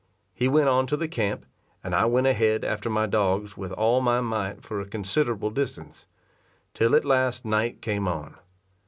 He went on to the camp, and I went ahead after my dogs with all my might for a considerable distance, till at last night came on.